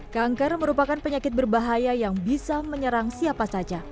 kanker merupakan penyakit berbahaya yang bisa menyerang siapa saja